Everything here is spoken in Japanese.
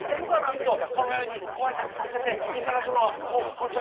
きちんとこのようにご挨拶させて頂くのはもう本当に。